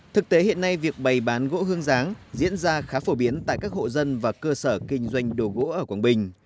thực tế hiện nay việc bày bán gỗ hương giáng diễn ra khá phổ biến tại các hộ dân và cơ sở kinh doanh đồ gỗ ở quảng bình